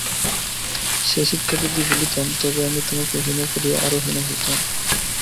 সে শিক্ষা যদি ভুলিতাম, তবে আমি তোমাকে হীন করিয়া আরো হীন হইতাম।